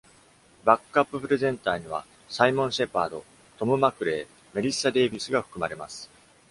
バックアップ・プレゼンターには、Simon Shepherd、Tom McRae、Melissa Davies が含まれます。